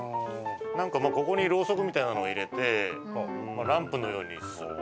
なんかまあここにロウソクみたいなのを入れてランプのようにする。